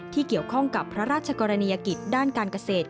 เกี่ยวข้องกับพระราชกรณียกิจด้านการเกษตร